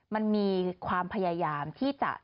มันมีความพยายามที่จะ